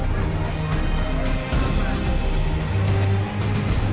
โปรดติดตามต่อไป